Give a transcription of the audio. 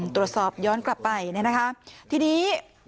ตรวจสอบย้อนกลับไปนะครับที่ดี